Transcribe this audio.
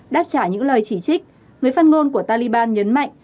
đáp trả những lời chỉ trích người phát ngôn của taliban nhấn mạnh